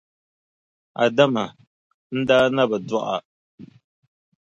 Adama, n daa na bi dɔɣi a.